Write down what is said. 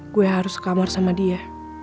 gue harus kamar sama dia